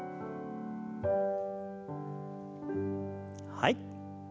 はい。